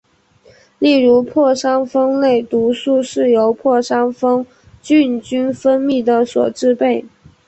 例如破伤风类毒素是由破伤风梭菌分泌的所制备。